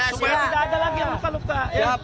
supaya tidak ada lagi yang luka luka